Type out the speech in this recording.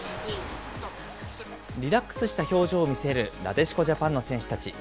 リラックスした表情を見せるなでしこジャパンの選手たち。